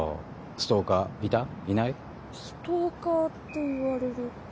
ストーカーっていわれると。